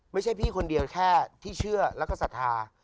พี่คนเดียวแค่ที่เชื่อแล้วก็ศรัทธา